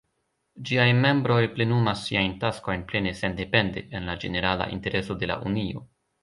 Ĝiaj membroj plenumas siajn taskojn plene sendepende, en la ĝenerala intereso de la Unio.